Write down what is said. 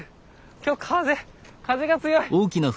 今日風風が強い。